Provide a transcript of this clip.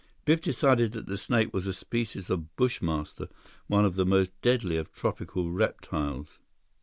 Biff decided that the snake was a species of bushmaster, one of the most deadly of tropical reptiles.